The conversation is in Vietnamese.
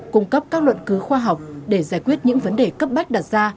cung cấp các luận cứu khoa học để giải quyết những vấn đề cấp bách đặt ra